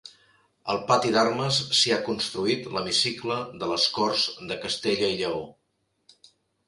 Al pati d'armes s'hi ha construït l'hemicicle de les Corts de Castella i Lleó.